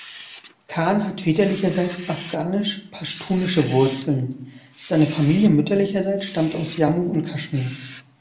Khan hat väterlicherseits afghanisch-paschtunische Wurzeln, seine Familie mütterlicherseits stammt aus Jammu und Kaschmir.